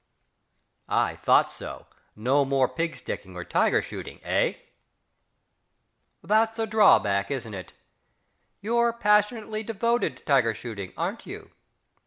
I thought so. No more pig sticking or tiger shooting, eh?... That's a drawback, isn't it? You're passionately devoted to tiger shooting, aren't you?